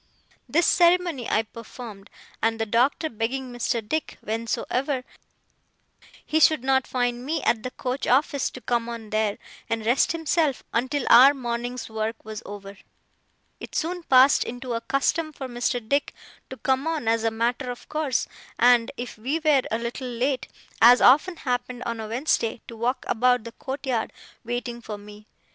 This ceremony I performed; and the Doctor begging Mr. Dick, whensoever he should not find me at the coach office, to come on there, and rest himself until our morning's work was over, it soon passed into a custom for Mr. Dick to come on as a matter of course, and, if we were a little late, as often happened on a Wednesday, to walk about the courtyard, waiting for me.